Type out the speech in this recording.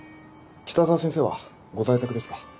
北澤先生はご在宅ですか？